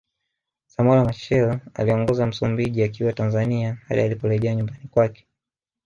Samora Machel aliongoza Msumbiji akiwa Tanzania hadi aliporejea nyumbani kwake